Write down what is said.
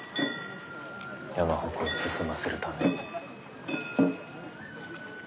山鉾を進ませるために。